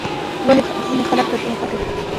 ولې ځینې خلک د زده کړې مخالفت کوي؟